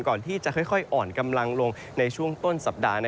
ก่อนที่จะค่อยอ่อนกำลังลงในช่วงต้นสัปดาห์